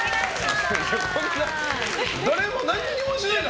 誰も何もしないの？